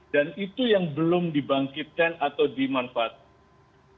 dan itu yang belum dibangkitkan atau dimanfaatkan